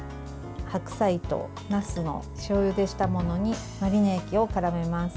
白菜となすの塩ゆでしたものにマリネ液をからめます。